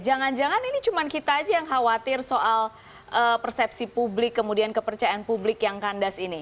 jangan jangan ini cuma kita aja yang khawatir soal persepsi publik kemudian kepercayaan publik yang kandas ini